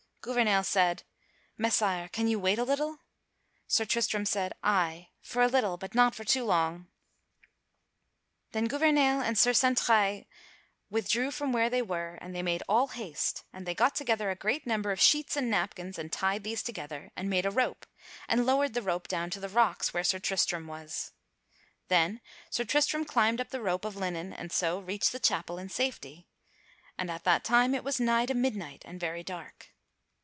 Gouvernail said, "Messire, can you wait a little?" Sir Tristram said, "Ay; for a little, but not for too long." [Sidenote: Gouvernail and Sir Santraille rescue Sir Tristram] Then Gouvernail and Sir Santraille withdrew from where they were and they made all haste, and they got together a great number of sheets and napkins, and tied these together and made a rope, and lowered the rope down to the rocks where Sir Tristram was. Then Sir Tristram climbed up the rope of linen and so reached the chapel in safety. And at that time it was nigh to midnight and very dark.